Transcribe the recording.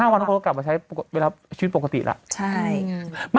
๔๕วันก็กลับมาใช้เวลาชีวิตปกติล่ะ